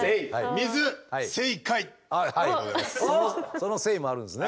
そのセイもあるんですね。